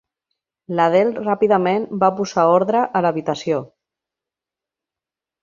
L'Adele ràpidament va posar ordre a l'habitació.